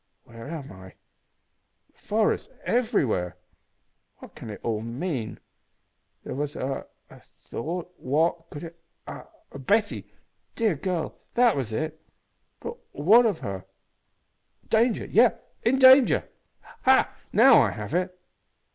Where am I? The forest everywhere! What can it all mean? There was a a thought what could it Ah! Betty dear girl that was it. But what of her? Danger yes in danger. Ha! now I have it!"